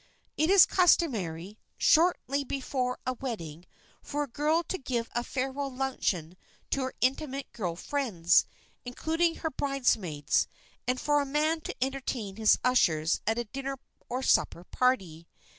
It is customary, shortly before a wedding, for a girl to give a farewell luncheon to her intimate girl friends, including her bridesmaids, and for a man to entertain his ushers at a dinner or supper party.